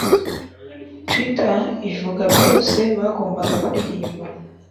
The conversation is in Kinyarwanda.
Twitter ivuga byose bagombaga kuririmba